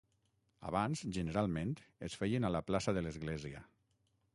Abans, generalment, es feien a la plaça de l'església.